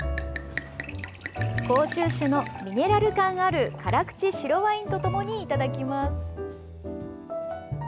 甲州種の、ミネラル感ある辛口白ワインとともにいただきます。